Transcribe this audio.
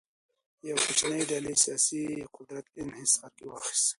یوه کوچنۍ ډلې سیاسي قدرت انحصار کې واخیست.